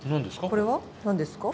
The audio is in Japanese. これは？何ですか？